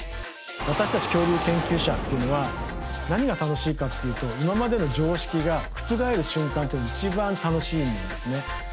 私たち恐竜研究者っていうのは何が楽しいかっていうと今までの常識が覆る瞬間っていうのが一番楽しいんですね。